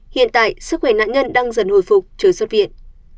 hiện tại sức khỏe nạn nhân đang dần hồi phục trời xuất viện